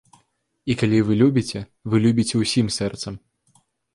І калі вы любіце, вы любіце ўсім сэрцам.